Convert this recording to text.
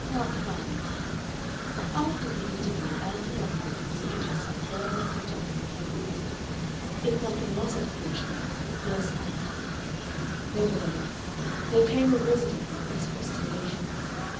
Part 5 After the interview Ann Veronica considered herself formally cut off from home. If nothing else had clinched that, the purse had. Nevertheless there came a residuum of expostulations.